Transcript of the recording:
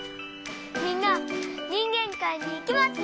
みんなにんげんかいにいけますね！